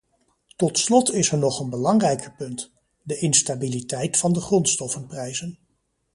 Tot slot is er nog een belangrijker punt: de instabiliteit van de grondstoffenprijzen.